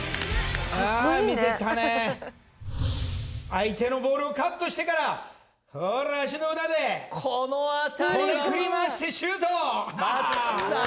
相手のボールをカットしてからほら足の裏でこの辺りはこねくりまわしてシュート松木さん